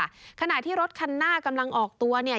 จะถูกว่าจะนี่ขนาดที่รถคันหน้ากำลังออกตัวเนี่ย